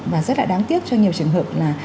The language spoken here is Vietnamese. và rất là đáng tiếc cho nhiều trường hợp là